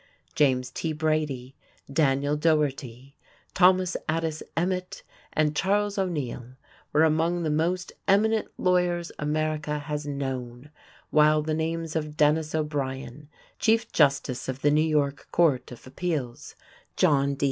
James T. Brady, Daniel Dougherty, Thomas Addis Emmet, and Charles O'Neill were among the most eminent lawyers America has known, while the names of Dennis O'Brien, Chief Justice of the New York Court of Appeals, John D.